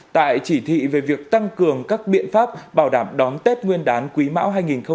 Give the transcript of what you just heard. tại chỉ thị về việc tăng cường các biện pháp bảo đảm đón tết nguyên đán quý mão hai nghìn hai mươi